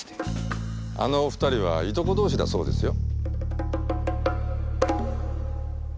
あのお２人はいとこ同士だそうですよ。